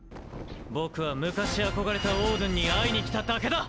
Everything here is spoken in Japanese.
僕は昔憧れたオードゥンに会いに来ただけだ！